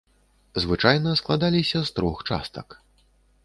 Звычайна складаліся з трох частак.